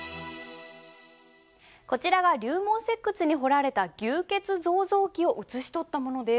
こちらが龍門石窟に彫られた「牛造像記」を写し取ったものです。